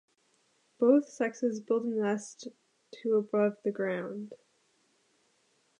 Both sexes build a nest to above the ground.